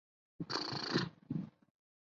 我有一股兴奋的感觉